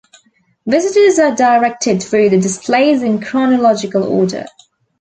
Visitors are directed through the displays in chronological order.